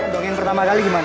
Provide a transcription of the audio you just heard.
dongeng pertama kali gimana